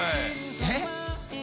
えっ？